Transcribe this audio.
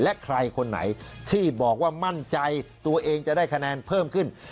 และใครคนไหนที่บอกว่ามั่นใจตัวเองจะได้คะแนนเพิ่มขึ้น